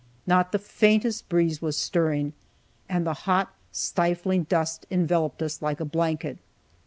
Not the faintest breeze was stirring, and the hot, stifling dust enveloped us like a blanket.